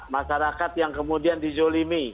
masyarakat yang kemudian dizolimi